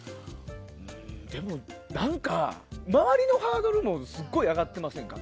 何か周りのハードルがすごい上がってませんか？